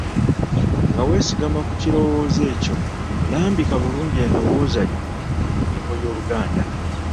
Nga weesigama ku kirowoozo ekyo lambika bulungi endowooza yo ku nnyingo y’Oluganda.